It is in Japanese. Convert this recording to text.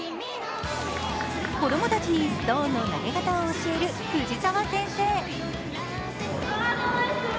子供たちにストーンの投げ方を教える藤澤先生。